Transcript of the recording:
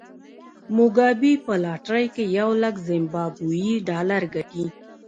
موګابي په لاټرۍ کې یو لک زیمبابويي ډالر ګټي.